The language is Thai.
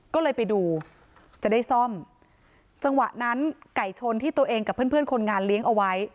ก็เลยไปดูจะได้ซ่อมจังหวะนั้นไก่ชนที่ตัวเองกับเพื่อนเพื่อนคนงานเลี้ยงเอาไว้